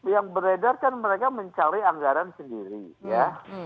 yang beredarkan mereka mencari anggaran sendiri ya